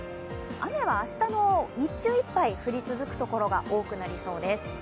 雨は明日の日中いっぱい降り続くところが多くなりそうです。